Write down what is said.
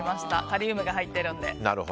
カリウムが入ってるので。